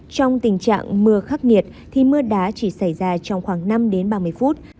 trong tình trạng mưa khắc nghiệt thì mưa đá chỉ xảy ra trong khoảng năm đến ba mươi phút